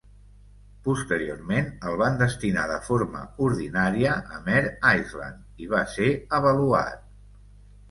Posteriorment, el van destinar de forma ordinària a Mare Island i va ser avaluat.